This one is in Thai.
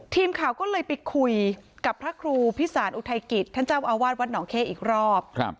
ทีมข่าวก็เลยไปคุยกับพระครูพิสารอุทัยกิจท่านเจ้าอาวาสวัดหนองเข้อีกรอบ